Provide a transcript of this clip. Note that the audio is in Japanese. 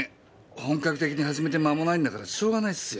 本格的に始めて間もないんだからしょうがないっすよ。